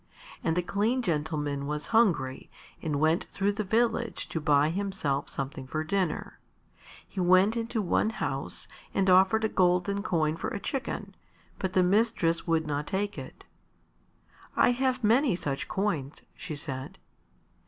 And the clean gentleman was hungry and went through the village to buy himself something for dinner. He went into one house and offered a golden coin for a chicken, but the mistress would not take it. "I have many such coins," she said.